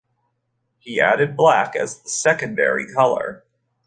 He added black as the secondary color.